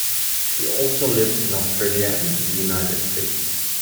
She also lived in Australia and the United States.